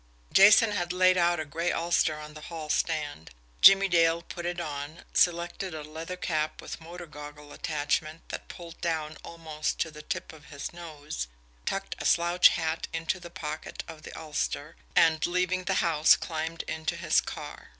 Jason had laid out a gray ulster on the hall stand. Jimmie Dale put it on, selected a leather cap with motor goggle attachment that pulled down almost to the tip of his nose, tucked a slouch hat into the pocket of the ulster, and, leaving the house, climbed into his car.